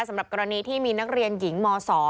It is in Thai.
สำหรับกรณีที่มีนักเรียนหญิงม๒